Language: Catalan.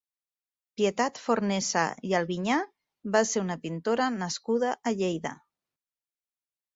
Pietat Fornesa i Albiñà va ser una pintora nascuda a Lleida.